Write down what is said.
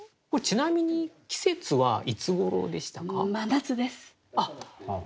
ちなみに季節はいつ頃でしたか？